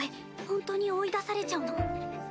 ほんとに追い出されちゃうの？